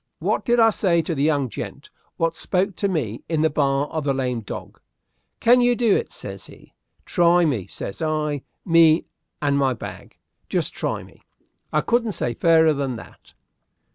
"Wot did I say to the young gent wot spoke to me in the bar of the Lame Dog? 'Can you do it?' says he. 'Try me,' says I, 'me and my bag. Just try me.' I couldn't say fairer than that."